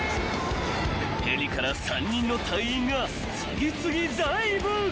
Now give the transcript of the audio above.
［ヘリから３人の隊員が次々ダイブ］